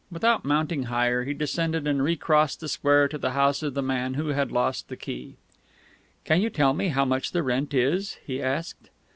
Without mounting higher, he descended and recrossed the square to the house of the man who had lost the key. "Can you tell me how much the rent is?" he asked.